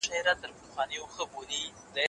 پروفیسور راما کرشنا راو :